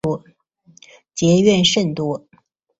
结怨甚多。